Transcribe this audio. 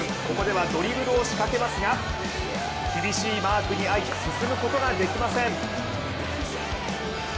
ここではドリブルを仕掛けますが厳しいマークに遭い、進むことができません。